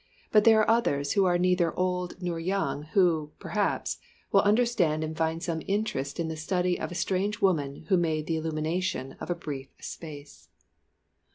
But there are others who are neither old nor young who, perhaps, will understand and find some interest in the study of a strange woman who made the illumination of a brief space.